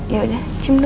yaudah cium dulu